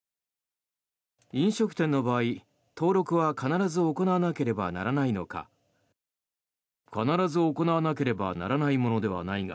飲食店の場合登録は必ず行わなければならないのか。